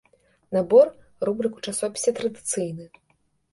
Набор рубрык у часопісе традыцыйны.